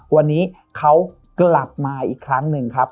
วันนี้เขากลับมาอีกครั้งหนึ่งครับ